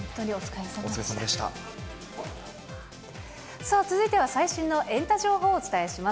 さあ続いては最新のエンタ情報をお伝えします。